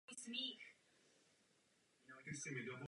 Takové poučení bychom si z této zkušenosti měli odnést.